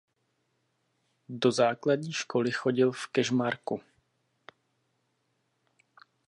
Do základní školy chodil v Kežmarku.